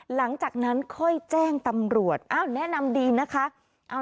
หลังจากนั้นค่อยแจ้งตำรวจอ้าวแนะนำดีนะคะ